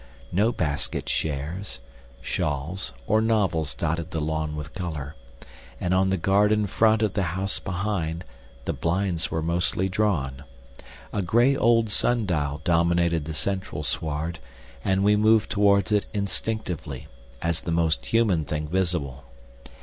No basket chairs, shawls, or novels dotted the lawn with colour; and on the garden front of the house behind, the blinds were mostly drawn. A grey old sun dial dominated the central sward, and we moved towards it instinctively, as the most human thing visible.